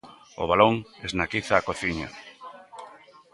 O balón esnaquiza a cociña.